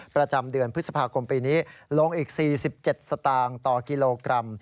ประจำเดือนพฤษภาคมปีนี้ลงอีก๔๗สตางค์ต่อกิโลกรัม